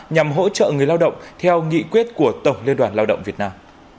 nhằm hỗ trợ người lao động theo nghị quyết của tổng liên đoàn lao động việt nam